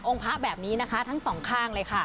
พระแบบนี้นะคะทั้งสองข้างเลยค่ะ